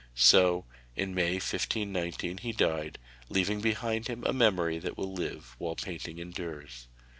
So in May 1519 he died, leaving behind him a memory that will live while painting endures.